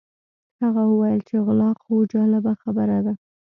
هغه وویل چې غلا خو جالبه خبره ده.